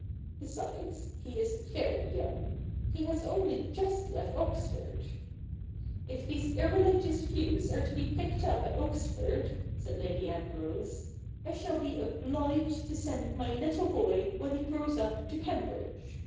Besides, he is very young — he has only just left Oxford '' If these irreligious views are to be picked up at Oxford,' said Lady Ambrose, ' I shall be obliged to send my httle boy, when he grows up, to Cambridge.